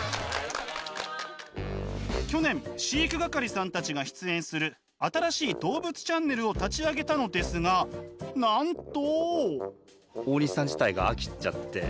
去年飼育係さんたちが出演する新しい動物チャンネルを立ち上げたのですがなんと。